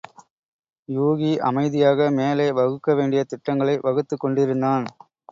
யூகி அமைதியாக மேலே வகுக்க வேண்டிய திட்டங்களை வகுத்துக் கொண்டிருந்தான்.